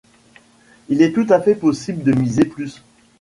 Il est tout à fait possible de miser plus.